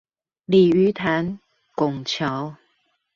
鯉魚潭拱橋